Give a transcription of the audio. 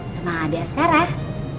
sama adi askarah